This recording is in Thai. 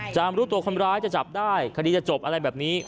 รู้ตัวคนร้ายจะจับได้คดีจะจบอะไรแบบนี้